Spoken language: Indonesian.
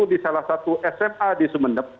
di salah satu sma di sumeneb